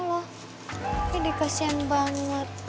tapi dikasihan banget